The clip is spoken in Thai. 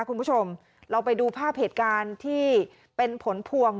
คุณผู้ชมเราไปดูภาพเหตุการณ์ที่เป็นผลพวง